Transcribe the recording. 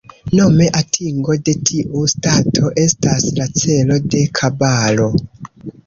Nome atingo de tiu stato estas la celo de Kabalo.